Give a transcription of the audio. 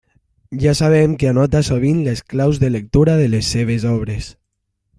Ja sabem que anota sovint les claus de lectura de les seves obres.